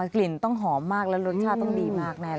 กลิ่นต้องหอมมากแล้วรสชาติต้องดีมากแน่น